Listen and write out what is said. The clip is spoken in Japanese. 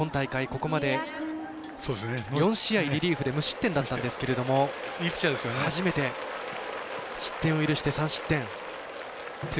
ここまで４試合リリーフで無失点だったんですけれども初めて失点を許して３失点。